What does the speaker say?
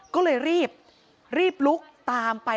ก็เลยรีบรีบลุกตามไป